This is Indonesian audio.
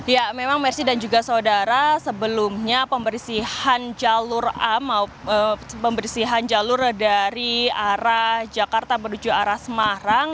ya memang mersi dan juga saudara sebelumnya pembersihan jalur dari arah jakarta menuju arah semarang